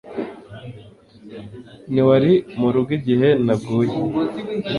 Ntiwari murugo igihe naguye.